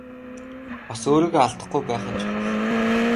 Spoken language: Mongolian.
Бас өөрийгөө алдахгүй байх нь чухал.